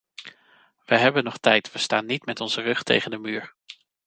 We hebben nog tijd, we staan niet met onze rug tegen de muur.